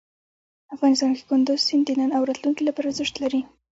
افغانستان کې کندز سیند د نن او راتلونکي لپاره ارزښت لري.